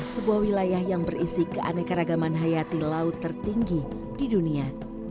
sebuah wilayah yang berisi keanekaragaman hayati laut tertinggi di dunia